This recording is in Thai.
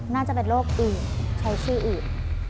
น่าจะเป็นโรคอื่นใช้ชื่ออื่น